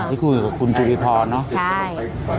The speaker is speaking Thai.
ที่คุณอยู่กับคุณจุฬิพรเนอะใช่